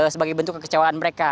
sebagai bentuk kekecewaan mereka